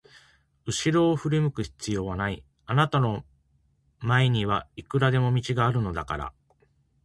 うしろを振り向く必要はない、あなたの前にはいくらでも道があるのだから。